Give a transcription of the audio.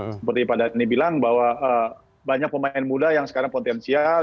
seperti pak dhani bilang bahwa banyak pemain muda yang sekarang potensial